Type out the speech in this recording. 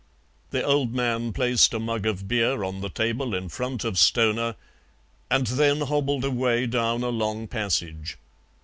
The old man placed a mug of beer on the table in front of Stoner and then hobbled away down a long passage.